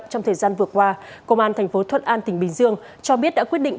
trong thời gian vừa qua công an tp thuận an tỉnh bình dương cho biết đã quyết định